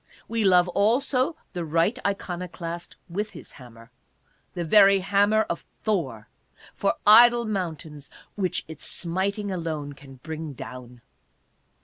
We love also the right iconoclast with his hammer, the very hammer of Thor, for idol mountains which its smiting alone can bring down.